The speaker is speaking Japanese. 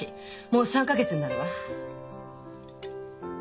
もう３か月になるわ。